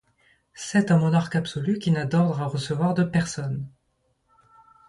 C'est un monarque absolu qui n'a d'ordre à recevoir de personnes.